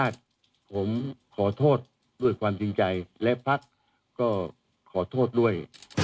ขอโทษด้วยความดินใจและภาคก็ขอโทษด้วย